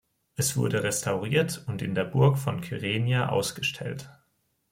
Es wurde restauriert und in der Burg von Kyrenia ausgestellt.